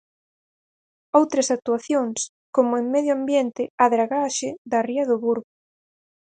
Outras actuacións, como en medio ambiente, a dragaxe da ría do Burgo.